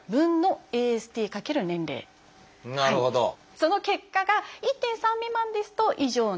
その結果が１．３未満ですと異常なし。